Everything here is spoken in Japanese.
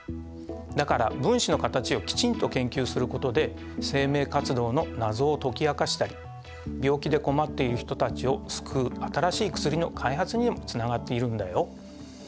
だから分子の形をきちんと研究することで生命活動の謎を解き明かしたり病気で困っている人たちを救う新しい薬の開発にもつながっているんだよ。